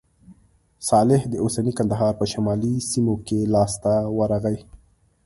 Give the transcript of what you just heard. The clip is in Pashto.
صالح د اوسني کندهار په شمالي سیمو کې لاسته ورغی.